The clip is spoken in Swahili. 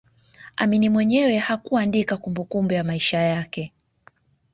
Amin mwenyewe hakuandika kumbukumbu ya maisha yake